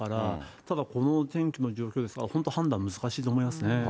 ただ、このお天気の状況ですと本当、判断難しいと思いますね。